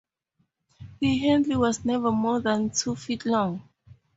The handle was never more than two feet long.